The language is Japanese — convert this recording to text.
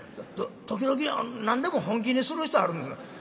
時々何でも本気にする人あるんです。